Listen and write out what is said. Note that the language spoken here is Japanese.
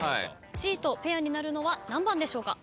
Ｃとペアになるのは何番でしょうか？